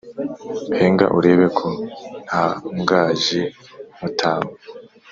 henga urebe ko ntahangaje mutama,